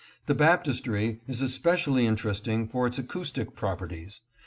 The baptistery is especially interesting for its acoustic properties.